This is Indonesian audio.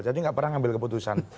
jadi nggak pernah ngambil keputusan